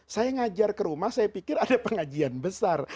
saya ngajar ke rumah saya pikir ada pengajian besar